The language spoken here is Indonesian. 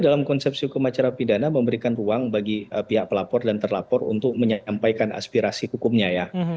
dalam konsepsi hukum acara pidana memberikan ruang bagi pihak pelapor dan terlapor untuk menyampaikan aspirasi hukumnya ya